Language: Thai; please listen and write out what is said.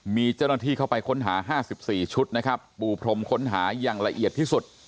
มีเจ้าหน้าที่เข้าไปค้นหา๕๔ชุดนะครับปูพรมค้นหาอย่างละเอียดที่สุด